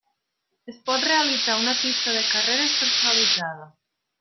Es pot realitzar una pista de carreres personalitzada.